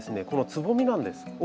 このつぼみなんです。